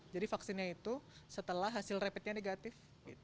jadi vaksinnya itu setelah hasil rapidnya negatif